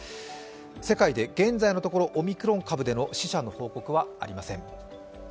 世界で現在のところ、オミクロン株での死者の報告はありません。